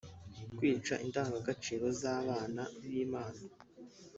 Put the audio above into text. kwica indanga gaciro zábana b’Imana